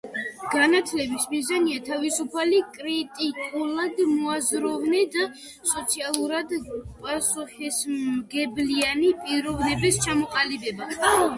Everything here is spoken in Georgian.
განათლების მიზანია თავისუფალი, კრიტიკულად მოაზროვნე და სოციალურად პასუხისმგებლიანი პიროვნების ჩამოყალიბება